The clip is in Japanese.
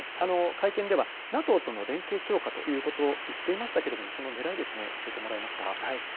会見ではＮＡＴＯとの連携強化ということを言っていましたけれども、その狙いですね教えてもらえますか。